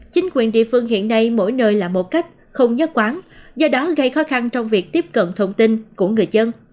chính quyền địa phương hiện nay mỗi nơi là một cách không nhất quán do đó gây khó khăn trong việc tiếp cận thông tin của người dân